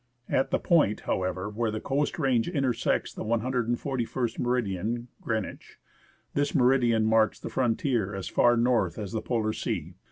At the point, however, where the Coast Range intersects the 141" meri dian (Greenwich), this meridian marks the frontier as far north as the Polar Sea.